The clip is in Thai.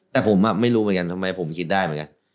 แต่ผมไม่รู้เหมือนกันทำไมผมคิดได้เหมือนกัน